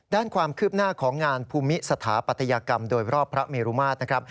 ด้านความคืบหน้าของงานภูมิสถาปัตยกรรมโดยรอบพระเมรุมาตรนะครับ